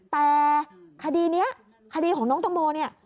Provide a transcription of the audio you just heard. แต่คดีนี้คดีของน้องตังโมเนี่ย